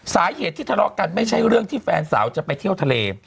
สาเหตุที่ทะเลาะกันไม่ใช่เรื่องที่แฟนสาวจะไปเที่ยวทะเล